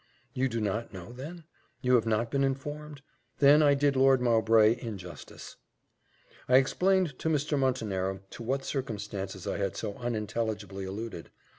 "You do not know then? You have not been informed? Then I did Lord Mowbray injustice." I explained to Mr. Montenero to what circumstances I had so unintelligibly alluded.